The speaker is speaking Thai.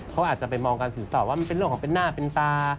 เขาอาจจะไปมองการสินสอดว่ามันเป็นเรื่องของเป็นหน้าเป็นตา